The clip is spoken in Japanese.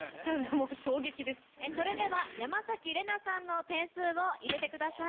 それでは山玲奈さんの点数を入れてください。